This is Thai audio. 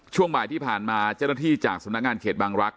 ช่วงบ่ายที่ผ่านมาเจ้าหน้าที่จากสำนักงานเขตบางรักษ